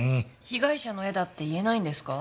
被害者の絵だって言えないんですか？